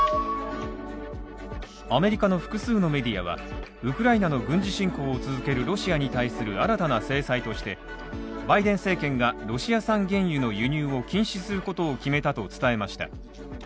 アメリカの複数のメディアはウクライナの軍事侵攻を続けるロシアに対する新たな制裁としてバイデン政権がロシア産原油の輸入を禁止することを決めたと伝えました。